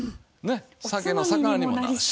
酒のさかなにもなるし。